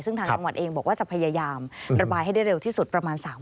ซึ่งทางจังหวัดเองบอกว่าจะพยายามระบายให้ได้เร็วที่สุดประมาณ